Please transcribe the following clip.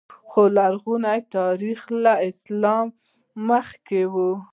خو لرغونی تاریخ له اسلام مخکې و